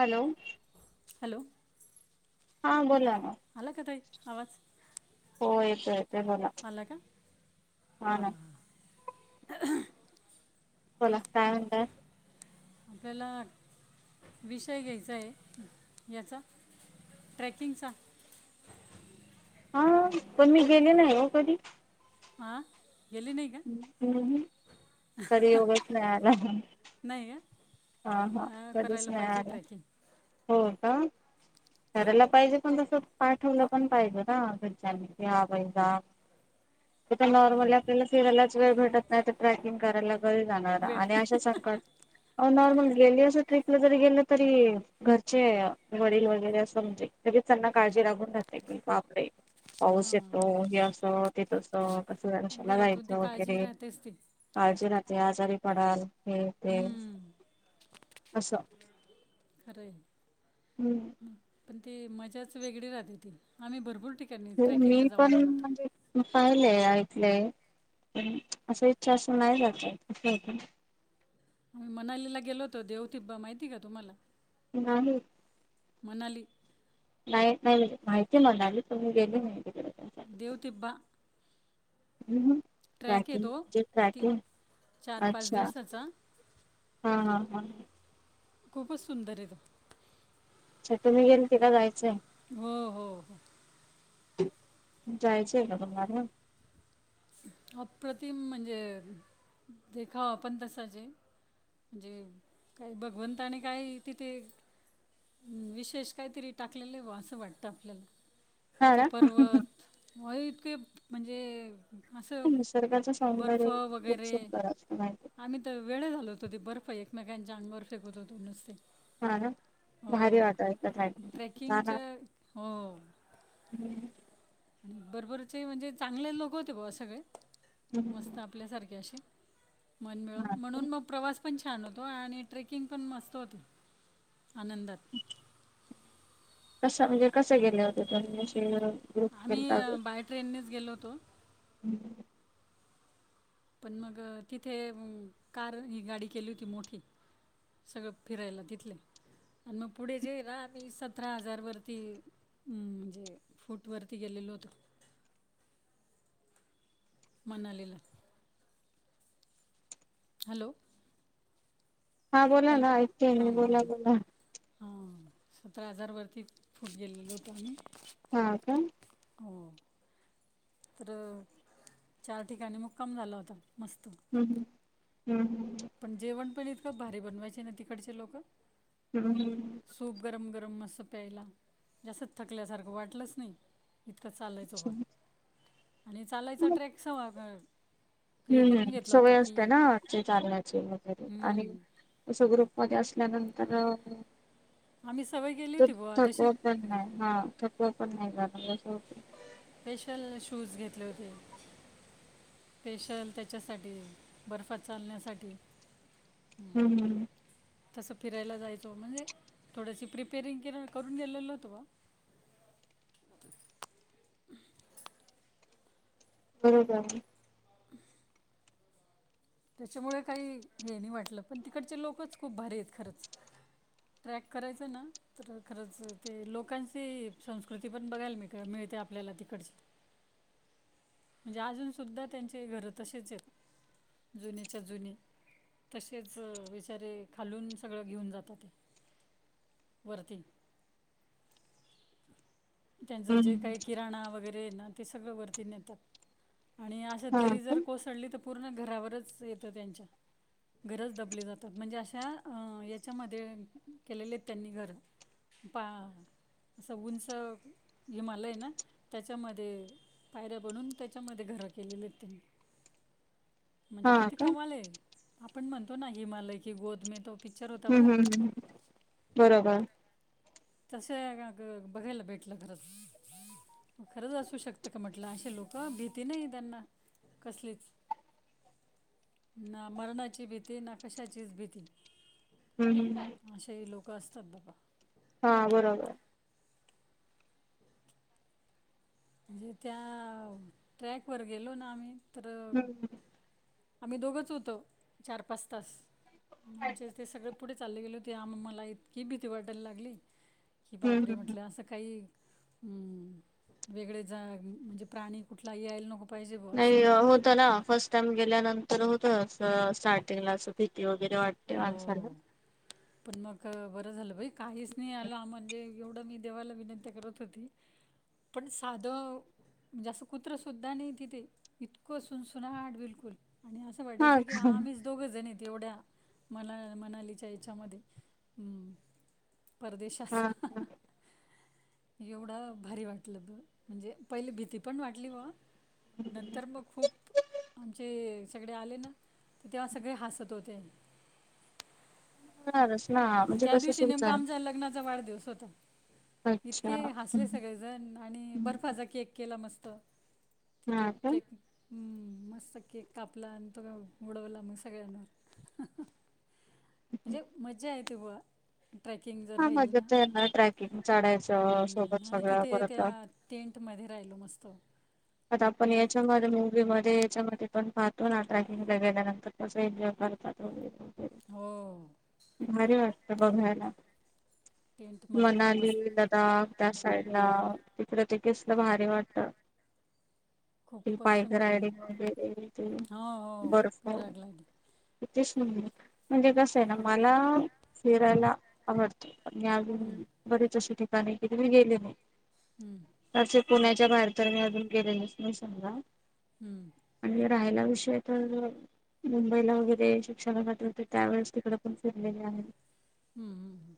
Hello hello हा बोला ना आला का ताई आवाज येत येत बोला आला का हा ना ह्ह्ह बोला काय म्हणताय आपल्याला विषय घ्यायचा आहे याचा ट्रेकिंगचा हा पण मी गेले नाही हो कधी आ हम् करी योगेश नाही आला नाही का हा हा कधीच करायला नाही पाहिजे आला ट्रॅकिंग हो का [inaudible] करायला पाहिजे पण तसं, पाठवलं पण पाहिजे ना घरच्यांनी [unintelligible] जा [unintelligible] इथ नॉर्मली आपल्याला फिरायलाच वेळ भेटत नाही, तर ट्रॅकिंग करायला कधी जाणार वेळ आणि नाही अशा संकट नॉर्मल गेली असं ट्र्रीपला जरी गेलं तरी घरचे वडील वगैरे असं म्हणजे त्यांना काळजी लागून राहते की, बापडे! पाऊस येतो, हां हे असं ते तस. असं [unintelligible] शाला घरातून ती जायचं काळजी वगैरे, राहतेच ती काळजी राहते आजारी पडाल. हे, ते, हम्म, असं. खरं आहे हम्म पण ती, मजाच वेगळी राहते ती. आम्ही भरपूर ठिकाणी हो ट्रॅकिंगला मी जाऊन पण आलो होतो म्हणजे पाहिलेय ऐक लय. पण [unintelligible] अस इच्छा असून नाही जाता येत [unintelligible] आम्ही मनालीला गेलो होतो, देवथिब्बा माहितीय का तुम्हाला? नाही. मणाली माहीत नाही म्हणजे, माहितीय मनाली पण मी गेले नाही तिकडे. त्यासाठी देवतिब्बा? [unintelligible] ट्रॅक ट्रॅकिंग येतो च ती ट्रॅकिंग, चार पाच अच्छा. दिवसाचा हा हा हा खूपच सुंदरयत. अच्छा, तुम्ही गेलते का जायचंय? हो हो हो. जायचेय का तुम्हाली? अप्रतिम म्हणजे देखावा पण तसाचय. म्हणजे काही भगवंताने काही तिथे विशेष काहीतरी टाकलेले वा असं वाटतं, आपल्याला. हा ते ना पर्वत व इतके म्हणजे असं निसर्गाचं बर्फ सौंदर्य खूप वगैरे, सुंदर असतं माहिती आम्ही तर वेड झालो होतो ते बर्फ एक मेकांच्या अंगावर फेकत होतो नुसते. हा ना हो, भारी वाटायचं जाणार ट्रॅकिंगच्या, हो. [unintelligible] बरोबरचे म्हणजे चांगले लोक होते बुवा सगळे, मस्त आपल्यासारखे असे. मनमिळाऊ, हा म्हणून मग प्रवास पण छान होतो आणि ट्रेकिंग पण मस्त होत आनंदात. कशा, म्हणजे कशा गेल्या होत्या तुम्ही [unintelligible] आम्ही, केलता बाय ट्रेननेच गेलो होतो. [unintelligible] पण मग, तिथे कार ही गाडी केली होती मोठी. सगळं फिरायला तिथल्या. आणि मग पुढे जे रा सतरा हजार वरती, म्हणजे फूट वरती गेले, लो होतो. मणालीला. हॅलो हा बोला हॅलो ना, ऐकतेय मी, हां हां बोला, हां बोला. हां सतरा हजारवरती फुट गलेलो होतो आम्ही. हा का. हो तर, चार ठिकाणी मुक्काम झाला होता. मस्त हम्म- हम्, हम्म - हम्. पण [unintelligible] भारी बनवायची ना तिकडचे लोक. हम. सूप गरम गरम मस्त प्यायला जास् थकल्यासारखं वाटलंच नाही. इतकं चालायचो पण हम्म आणि चालायचा ट्रॅकस.. हम्म हम्म सवय असते ना आ ते चालण्याची वगैरे आणि हम्म, सग्र.. मध्ये असल्यानंतर.. आम्ही सवय केली त होती बुवा तशी थकवा पण नाही हा थकवा पण नाही जाणस होत. स्पेशल शूज घेतले होते स्पेशल त्याच्यासाठी बर्फात चालण्यासाठी.. हम्म हम्. तसं फिरायला जायचो म्हणजे थोडशी प्रिपेरिंग के करून गेलेल होतो बा.. हम् [inaudible] बरोबर. [inaudible] त्याच्यामुळे काही हे नाही वाटलं पण तिकडचे लोकच खूप भारी आहेत खरंच. ट्रॅक करायच ना तर खरंच ते लोकांची संस्कृती पण बघायल मी मिळते. ते आपल्याला तिकड. म्हणजे अजून सुुद्धा त्यांचे घरं तसेच आहेत जुन्याच्या जुने. तसेच बेचारे खालून सगळं घेऊन जातात.. वर्ती. त्यांचं जे हम्म काही किराणा वगैरे ना ते सगळं वरती नेतात. आणि असं हा दरी का जर कोसळली तर पूर्ण घरावरच येतं त्यांच्या. घरज दबली जातात म्हणजे अशां याच्यामध्ये केलेले आहेत त्यांनी घर.. पा असं उंच हिमालय ना त्याच्यामध्ये.. पायऱ्या बनून त्याच्यामध्ये घर केलेली त्यांनी. म्हणजे हा किती का कमाले आपण म्हणतो ना हिमालय की गोत मे तो.. पिक्चर होता हम्म बघा हम्म हम् बरोबर. तस बघायला भेटलं खरं खरंच असू शकत का म्हट.. अे लोक भीती नाही त्यांना कसलीच. ना मरणाची भीती ना कशाचीच भीती. हम्म ह्. कस्तबबा.. हा बरोबर. म्हणजे त्या ट्रॅक वर गेलो ना आम्ही तर.. हम्म ह. आम्ही दोघंच होतो चार पाच तास. आमच्या हम्म ते सगळे पुढे चालले गेले होते आम मला इतकी भीती वाटायला लागली. कि हम्म बापरे हम्म. म्हटलं असं काही हम्. वेगळे जा म्हणजे प्राणी कुठला यायल नको. पाहिजे बुवा असं नाही होत ना फर्स्ट टाइम गेल्यानंतर होत अस स्टार्टिंगला अस.. वगैरे वाटते हो. माणसाला. पण मग बरं झालं बाई काहीच नाही आलं म्हणजे.. एवढं मी देवाला विनंती करत होती पण साध.. म्हणजे असं कुत्र सुद्धा नाही तिथे इतकं सुनसुना हाट बिलकुल. आणि असं हा वाटायचं की का आम्हीच दोघं जण येत एवढ्या.. मना मनालीच्या याच्यामध्ये ह्. परदेशचा! हा का एवढं भारी वाटलं त म्हणजे पहिली भीती पण वाटली ग.. नंतर मग खूप आमचे.. सगळे आले ना तर तेव्हा सगळे हसत होते. हा. त्या दिवशी नेमका आमच्या लग्नाचा वाढदिवस होता. अच्छा इतके हसले हम्म, सगळेजण आणि हम्म. बर्फाचा केक केला मस्त किती हा का केक मस्त केक कापला आणि तो का उडवला मग सगळ्यांवर म्हणजे मज्जा येत ब हा मजे तरणार ट्रॅकिंग चढायचं सोबत सगळं बत मध्ये राहिलो मस्तो आता आपण याच्यामध्ये मूवी मध्ये त्याच्या म पण पाहतो ना ट्रॅकिंगला गेल्यानंतर कस एन्जॉय करतात वगैरे हो भारी वाटत बघायला टेंटमध्ये पण मनाली मस्त लदाख त्या साईड ला तिकड पकीसलं भारी वाटत क खूपच बाईक सुंदर आहे रायडिंग वगैरे ते हो हो बर्फ पॅराग्लायडिंग इथेच म्हण म्हणजे कस आहे ना मला फिरायला आवडतो हम्म, अजून बरीच अशी ठिकाणी किती मी गेले नाही हम्म, तसेच पुण्याच्या बाहेर तर मी अजून केेले स्मशा हम्म राहायला विषय तर मुंबईला वगैरे शिक्षणाला होते त्यावेेळेस तिकडे पण फिरलेले आहे हम्म हम्म हम्म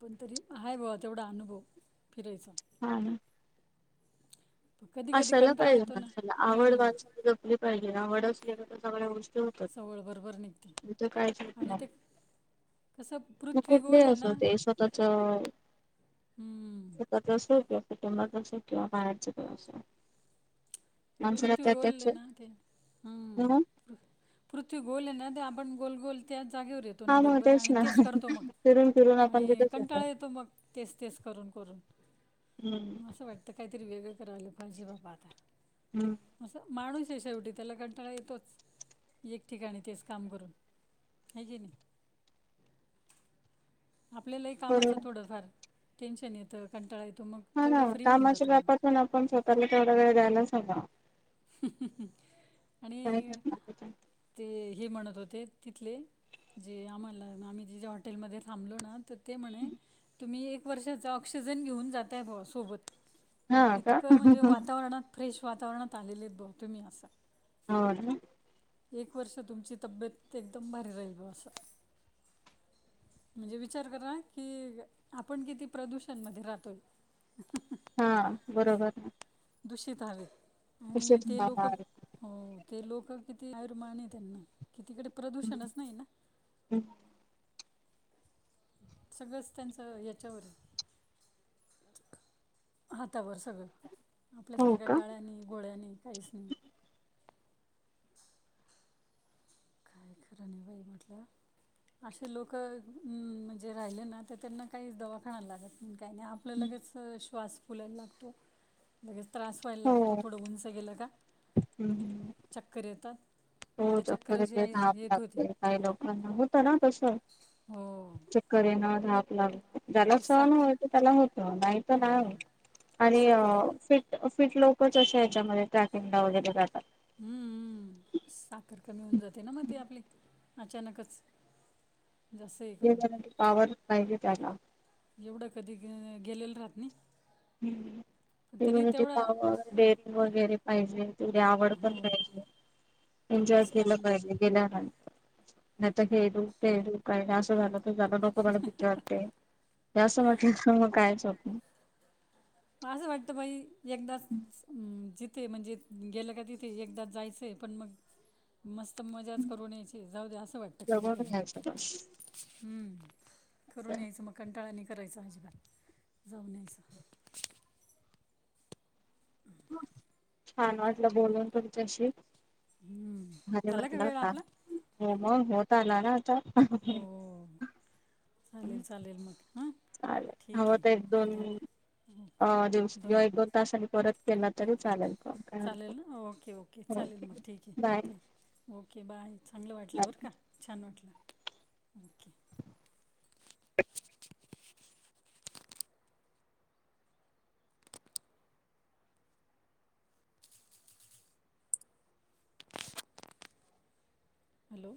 पण तरी हा बवा तेवढा अनुभव फिरायचा हा पण कधी कधी असायला कंटाळा पाहिजे येतो ना माणसाला आवड हां माणसाला जपली पाहिजे आवड असली तर सगळ्या गोष्टी हो सवड बरोबर निघते तझं काहीच होत आणि ते नाही कसं मग पृथ्वी कुठले गोल आहे असं ना होते स्वतःच हम्म. स्वतःच असो किंवा कटुंबाच असो किंवा बाहेरच का असत पृथ्वी त्या गोलले त्याच ना ते हम् पृथ्वी गोले ना ते आप आपण गोलगोल त्या जागेवर येतो ना हा मग बरोबर आणि ना तेच करतो मग फिरून फिरून आपण आणि तिथेच कंटाळा येतो मग तेच तेस करून करून हम्म. असं वाटतं काहीतरी वेगळं करावलं पाहिजे बापा आता हम्म असं माणूस आहे शेवटी त्याला कंटाळा येतोच एक ठिकाणी तेच काम करून हेजन आपल्यालाही कामाच बरोबर थोडंफार टेन्शन येतं कंटाळा येत हा ना कामाच्या बापतून आपण स्वतःला तेवडा वेळ द्यायलाच हवा काय आणि करणार ते हे म्हण होत होते तिथले जे आम्हाला आम्ही तिच्या हॉटेलमध्ये थांबलो ना तर ते म्हणे तुम्ही एक वर्षाचा ऑक्सिजन घेऊन जाता आहे भा सोबत हा आ का इतकं म्हणजे वातावरणात फ्रेश वातावरणात आलेलेत ब हो ना एक वर्ष तुमची तब्येत एकदम भारी राहील असं म्हणजे विचार करा कि आपण किती प्रदूषण मध्ये राहतोय हा बरोबर आहे दूषित आहे अशच ना ते लोक किती अरमान त्यांना कि तिकडे प्रदूषणच नाही ना सगळंच त्यांचं याच्यावर आहे हातावर सगळं हो आपल्यासारख्या का गाळ्यांनी गोळ्यानी काहीच नाही काय खरं नाही बाई म्हणलं. असे लोक अं म्हणजे राहिले ना तर त्यांना काही दवाखाना लागत- त्या नाही आपल्या लगेच श्वास फुलायला लागतो लगेच- त्रास व्हायला हो लागतो थोडं उंच गेलं का चक्कर येतात. हो, मला तर चक्कर चक्करच येते, याय धाप येत होती लागते काही लोकांना होतं ना. कसं? हो चक्कर येणं, धाप लागणं - जला ती सण साख हो त्याला होत नाहीत नाही आणि साखर फि- ी लोकच असे याच्यामध्ये ट्रॅकिंग ला वगैरे जातात. हम्मम् साखर कमी होऊन जाते ना मग ते आपली अचानकच. जास्त हे ते करून झारा क पावर नाहीे त्याला एवढं कधी गेलेलं राहत नाही? हम्म पण तरी इम्युनिटी तेवढा पॉवर डेअरि वगैरे पाहिजे तेवढे आवड पण हो पाहिजे तेवढा एन्जॉय केलं स्टॅमिना पाहिजे गेल्या रा- नाहीता हे दू ते दूखय का असं झालं तर झालं नको मला भीती वाटते. या सठी मग कायच हो आप असं वाटत भाई एकदाच ज तिथे म्हणजे... गेलं का तिथे एकदा जायचंय पण मग... मस्त मजाच करून यायची! जाऊ द्या असं वाटतं कधी जगून कधी... घ्यायचं बस हम्म करून यायचं..... मग कंटाळा नाही करायचा अजीबात! जाऊन यायचं.. छान! वाटलं बोलून तुमच्याशी. हम्म. घरे झाला का म्हटलं वेळ होता आपला हो मग होत आला ना आता हो, चालेल, चालेल मग! हा... चालेल, हवं तर एक दोन हो. अं दिवस किंवा एक दोन तासनी परत केला तरी चालेल. कॉल काय चालेल हरकत ना, ओके, ओके! हो चालेल मग, ठीक बाय आहे. Okay, bye! चांगलं वाटलं बाय बरं का, छान वाटलं, ओके. हॅलो